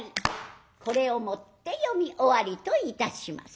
これをもって読み終わりといたします。